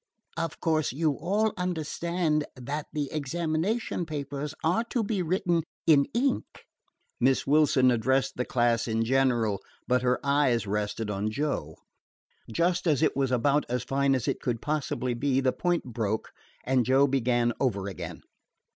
"Of course you all understand that the examination papers are to be written with ink." Miss Wilson addressed the class in general, but her eyes rested on Joe. Just as it was about as fine as it could possibly be the point broke, and Joe began over again.